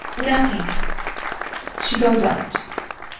Nothing. [She goes out.